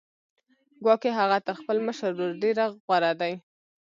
ګواکې هغه تر خپل مشر ورور ډېر غوره دی